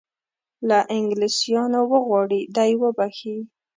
له انګلیسیانو وغواړي دی وبخښي.